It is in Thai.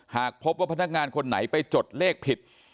หากพบว่าพนักงานคนไหนไปจดเลขผิด